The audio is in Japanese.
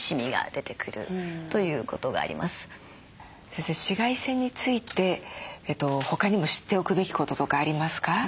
先生紫外線について他にも知っておくべきこととかありますか？